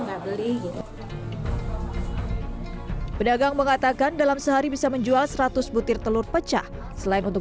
nggak beli pedagang mengatakan dalam sehari bisa menjual seratus butir telur pecah selain untuk